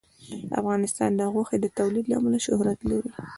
افغانستان د غوښې د تولید له امله شهرت لري.